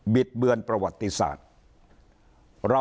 ิดเบือนประวัติศาสตร์